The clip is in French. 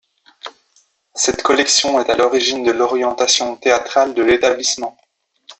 Cette collection est à l'origine de l'orientation théâtrale de l'établissement.